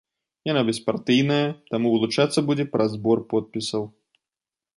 Яна беспартыйная, таму вылучацца будзе праз збор подпісаў.